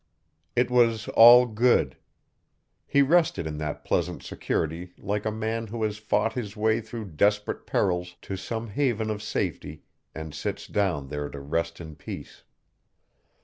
It was all good. He rested in that pleasant security like a man who has fought his way through desperate perils to some haven of safety and sits down there to rest in peace.